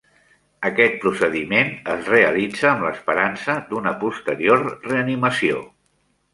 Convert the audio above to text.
Aquest procediment es realitza amb l'esperança d'una posterior reanimació.